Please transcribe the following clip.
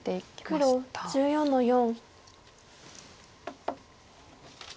黒１４の四。